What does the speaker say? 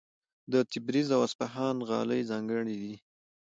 د تبریز او اصفهان غالۍ ځانګړې دي.